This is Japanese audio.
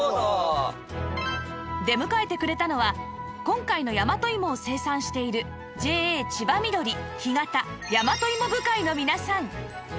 出迎えてくれたのは今回の大和芋を生産している ＪＡ 千葉みどり干潟大和芋部会の皆さん